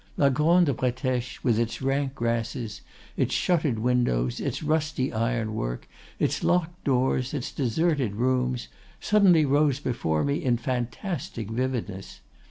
La Grande Bretèche, with its rank grasses, its shuttered windows, its rusty iron work, its locked doors, its deserted rooms, suddenly rose before me in fantastic vividness.